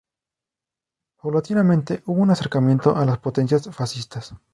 Paulatinamente hubo un acercamiento a las potencias fascistas.